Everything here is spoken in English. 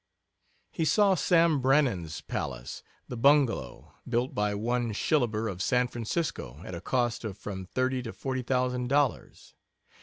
He saw Sam Brannan's palace, "The Bungalow," built by one Shillaber of San Francisco at a cost of from thirty to forty thousand dollars.